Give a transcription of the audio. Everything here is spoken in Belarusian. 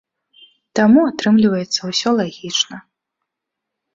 Таму атрымліваецца ўсё лагічна.